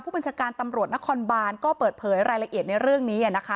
บัญชาการตำรวจนครบานก็เปิดเผยรายละเอียดในเรื่องนี้นะคะ